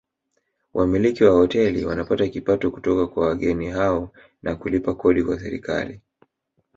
Wamiliki wa hoteli wanapata kipato kutoka kwa wageni hao na kulipa kodi kwa serikali